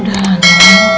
udah lah nino